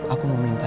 aku mau minta